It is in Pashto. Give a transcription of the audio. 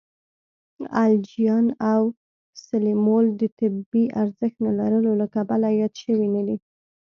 الجیان او سلیمولد د طبی ارزښت نه لرلو له کبله یاد شوي نه دي.